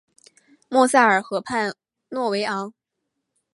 莫塞尔河畔诺韦昂。